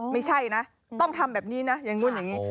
ไม่ใช่นะต้องทำแบบนี้นะอย่างนู้นอย่างนี้